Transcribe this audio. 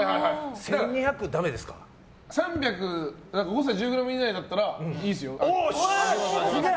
誤差１０ｇ以内だったらいいですよ。